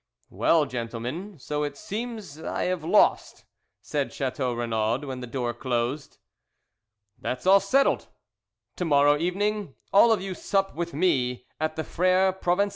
"Well, gentlemen, so it seems I have lost," said Chateau Renaud, when the door closed. "That's all settled! To morrow evening all of you sup with me at the Frères Provençaux."